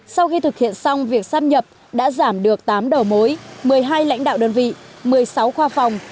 sau khi thực hiện xong việc sắp nhập đã giảm được tám đầu mối một mươi hai lãnh đạo đơn vị một mươi sáu khoa phòng